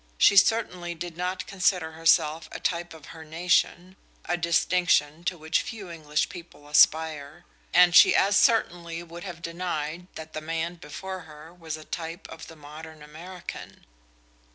She certainly did not consider herself a type of her nation a distinction to which few English people aspire and she as certainly would have denied that the man before her was a type of the modern American.